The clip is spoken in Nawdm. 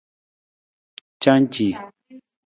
Canci.